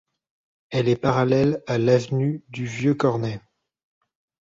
Elle est parallèle à l'avenue du Vieux Cornet.